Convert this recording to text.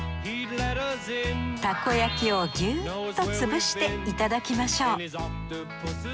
たこ焼きをギュッと潰していただきましょう